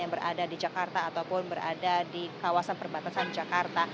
yang berada di jakarta ataupun berada di kawasan perbatasan jakarta